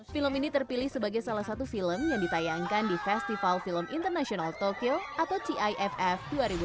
film ini terpilih sebagai salah satu film yang ditayangkan di festival film international tokyo atau tiff dua ribu delapan belas